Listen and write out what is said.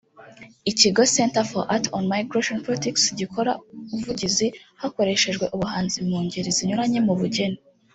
Ikigo Center for Art on Migration Politics gikora uvugizi hakoreshejwe ubuhanzi mu ngeri zinyuranye mu bugeni